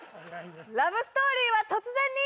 「ラブ・ストーリーは突然に」